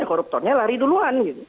koruptornya lari duluan